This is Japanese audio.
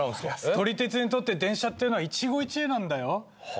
撮り鉄にとって電車っていうのは一期一会なんだよ。はあ？